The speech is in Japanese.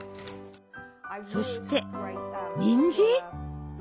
そしてにんじん？